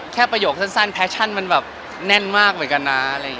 แค่ประโยคสั้นแน่นมากเหมือนกันนะ